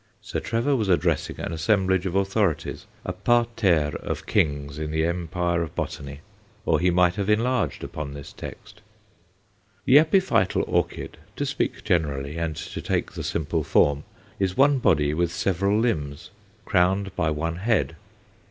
Sir Trevor was addressing an assemblage of authorities a parterre of kings in the empire of botany or he might have enlarged upon this text. The epiphytal orchid, to speak generally, and to take the simple form, is one body with several limbs, crowned by one head.